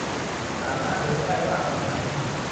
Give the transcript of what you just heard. สามารถรู้ได้ว่าคำไหน